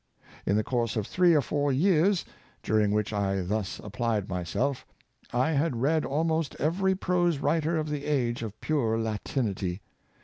In the course of three or four years, during which I thus applied myself, I had read almost every prose writer of the age of pure Latinity.